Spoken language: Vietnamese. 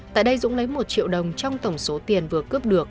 tại đây dũng lấy một triệu đồng trong tổng số tiền vừa cướp được